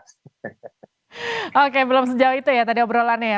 oke belum sejauh itu ya tadi obrolannya ya